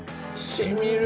染みる！